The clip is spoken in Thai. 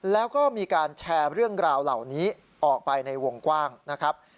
แล้วก็มีการแชร์เรื่องราวเหล่านี้ออกไปในวงกว้างนะครับ